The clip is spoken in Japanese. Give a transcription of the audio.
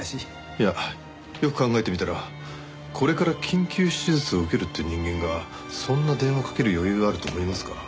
いやよく考えてみたらこれから緊急手術を受けるっていう人間がそんな電話かける余裕があると思いますか？